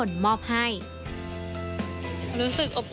ชอบโมโหใส่คุณนิกเลยนะครับ